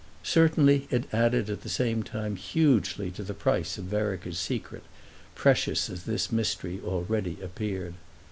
Certainly it added at the same time hugely to the price of Vereker's secret, precious as this mystery already appeared.